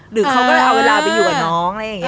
หรือเขาก็เอาเวลาไปอยู่กับน้อง